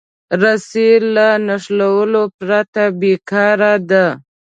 رسۍ له نښلولو پرته بېکاره ده.